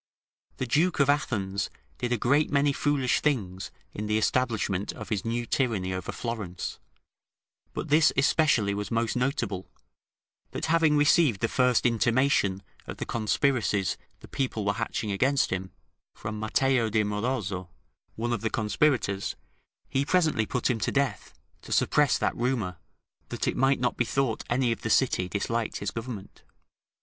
The Duke of Athens did a great many foolish things in the establishment of his new tyranny over Florence: but this especially was most notable, that having received the first intimation of the conspiracies the people were hatching against him, from Matteo di Morozzo, one of the conspirators, he presently put him to death, to suppress that rumour, that it might not be thought any of the city disliked his government.